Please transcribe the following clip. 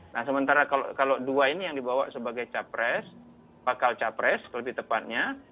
nah sementara kalau dua ini yang dibawa sebagai capres bakal capres lebih tepatnya